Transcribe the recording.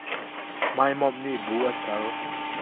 Maimomh nih bu a ser.